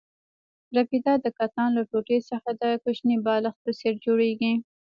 رپیده د کتان له ټوټې څخه د کوچني بالښت په څېر جوړېږي.